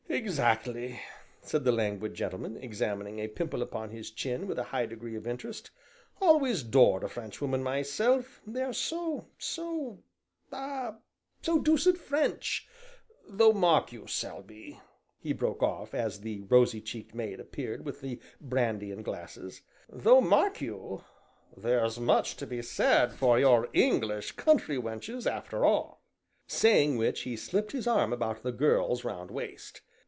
"Exactly!" said the languid gentleman, examining a pimple upon his chin with a high degree of interest, "always 'dored a Frenchwoman myself; they're so so ah so deuced French, though mark you, Selby," he broke off, as the rosy cheeked maid appeared with the brandy and glasses, "though mark you, there's much to be said for your English country wenches, after all," saying which, he slipped his arm about the girl's round waist.